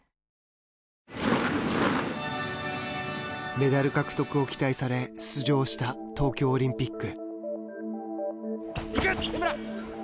メダル獲得を期待され出場した東京オリンピック。